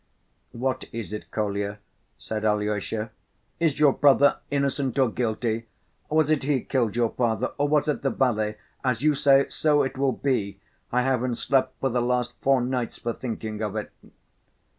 "What is it, Kolya?" said Alyosha. "Is your brother innocent or guilty? Was it he killed your father or was it the valet? As you say, so it will be. I haven't slept for the last four nights for thinking of it."